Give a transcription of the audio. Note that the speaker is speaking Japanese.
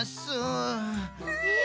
え！